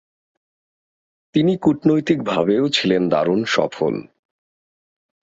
তিনি কূনৈতিকভাবেও ছিলেন দারুণ সফল।